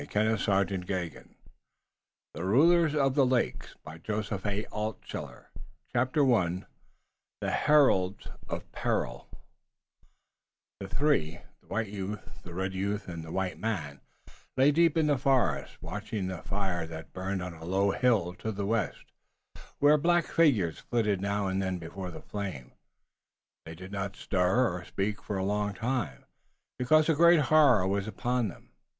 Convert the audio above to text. THE LAKE BATTLE 312 The RULERS OF THE LAKES A STORY OF GEORGE AND CHAMPLAIN CHAPTER I THE HERALDS OF PERIL The three, the white youth, the red youth, and the white man, lay deep in the forest, watching the fire that burned on a low hill to the west, where black figures flitted now and then before the flame. They did not stir or speak for a long time, because a great horror was upon them.